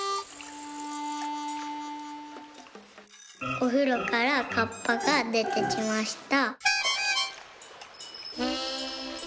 「おふろからカッパがでてきました」。